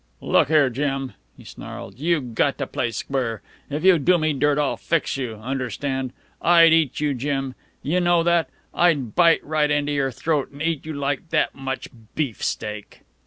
"Look here, Jim," he snarled. "You've got to play square. If you do me dirt, I'll fix you. Understand? I'd eat you, Jim. You know that. I'd bite right into your throat an' eat you like that much beefsteak."